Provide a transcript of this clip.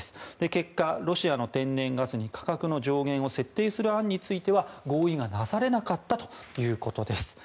結果、ロシアの天然ガスに価格の上限を設定する案については合意がなされなかったということです。